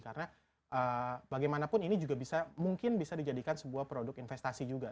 karena bagaimanapun ini juga bisa mungkin bisa dijadikan sebuah produk investasi juga